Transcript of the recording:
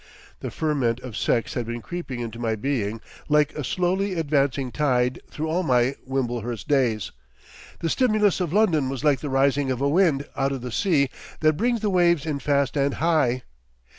The ferment of sex had been creeping into my being like a slowly advancing tide through all my Wimblehurst days, the stimulus of London was like the rising of a wind out of the sea that brings the waves in fast and high.